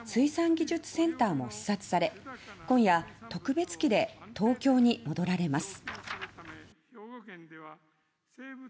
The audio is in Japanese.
両陛下は水産技術センターも視察され今夜特別機で東京に戻られます。